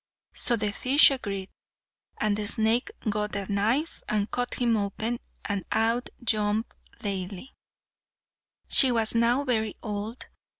So the fish agreed, and the snake got a knife and cut him open, and out jumped Laili. She was now very old.